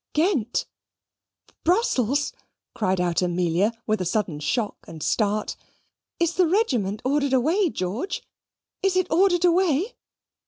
"Ghent! Brussels!" cried out Amelia with a sudden shock and start. "Is the regiment ordered away, George is it ordered away?"